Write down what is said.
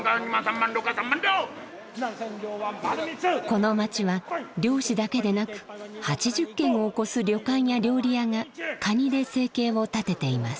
この町は漁師だけでなく８０軒を超す旅館や料理屋がカニで生計を立てています。